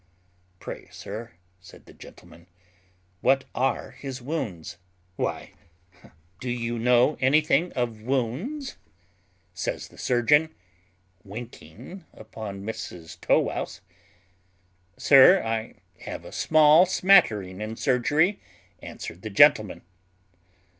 "Pray, sir," said the gentleman, "what are his wounds?" "Why, do you know anything of wounds?" says the surgeon (winking upon Mrs Tow wouse). "Sir, I have a small smattering in surgery," answered the gentleman.